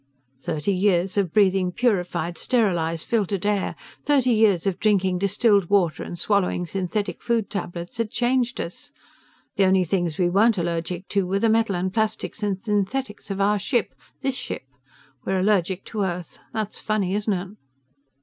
"Thirty years of breathing purified, sterilized, filtered air, thirty years of drinking distilled water and swallowing synthetic food tablets had changed us. The only things we weren't allergic to were the metal and plastic and synthetics of our ship, this ship. We're allergic to Earth. That's funny, isn't it?"